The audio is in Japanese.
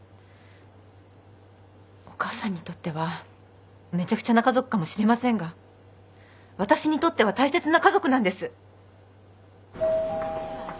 お母さんにとってはめちゃくちゃな家族かもしれませんがわたしにとっては大切な家族なんです。